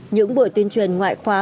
những buổi tuyên truyền ngoại khóa